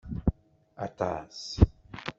Aṭṭas!